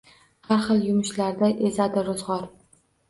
Har xil yumushlarda ezadi ro‘zg‘or